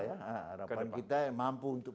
harapan kita mampu untuk